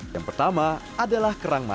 yang pertama adalah kerang masyarakat